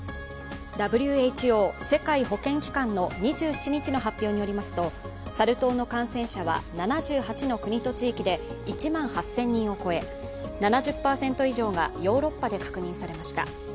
ＷＨＯ＝世界保健機関の２７日の発表によりますとサル痘の感染者は７８の国と地域で１万８０００人を超え、７０％以上がヨーロッパで確認されました。